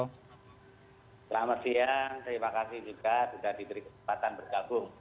selamat siang terima kasih juga sudah diberi kesempatan bergabung